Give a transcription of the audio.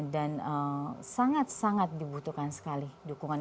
dan sangat sangat dibutuhkan sekali dukungan